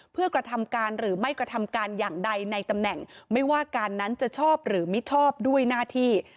เพื่อกระทำการหรือไม่กระทำการอย่างใดในตำแหน่งไม่ว่าการนั้นจะชอบหรือมิชอบด้วยหน้าที่